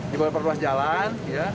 dibagi perluas jalan